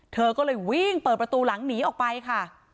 เธอก็เลยวิ่งเปิดประตูหลังหนีออกไปค่ะ